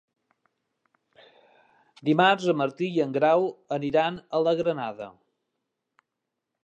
Dimarts en Martí i en Grau aniran a la Granada.